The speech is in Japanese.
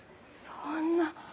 そんな。